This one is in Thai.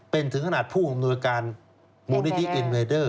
เป็นถึงขนาดผู้อำนวยการมูลนิธิอินเวเดอร์